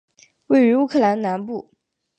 位于乌克兰南部。